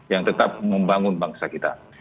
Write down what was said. yang tetap membangun bangsa kita